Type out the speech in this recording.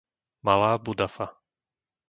Malá Budafa